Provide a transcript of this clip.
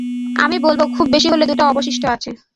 আমি বলবো, খুব বেশি হলে দুটা অবশিষ্ট আছে।